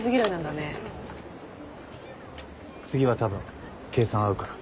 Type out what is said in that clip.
次はたぶん計算合うから。